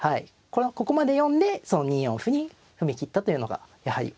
これはここまで読んでその２四歩に踏み切ったというのがやはりポイントになりましたね。